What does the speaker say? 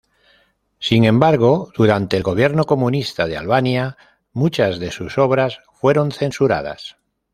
Sin embargo, durante el gobierno comunista de Albania, muchas de sus obras fueron censuradas.